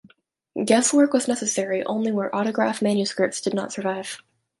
Guesswork was necessary only where autograph manuscripts did not survive.